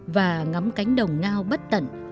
và ngắm cánh đồng ngao bất tận